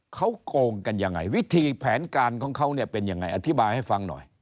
เขาโกงกันยังไงวิธีแผนการของเขาเนี่ยเป็นยังไงอธิบายให้ฟังหน่อย